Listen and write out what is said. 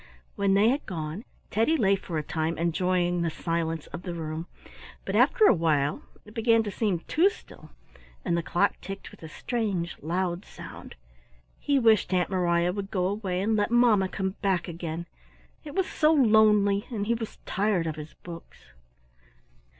When they had gone Teddy lay for a time enjoying the silence of the room, but after a while it began to seem too still and the clock ticked with a strange loud sound. He wished Aunt Mariah would go away and let mamma come back again. It was so lonely, and he was tired of his books.